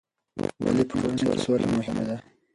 ولې په ټولنه کې سوله مهمه ده؟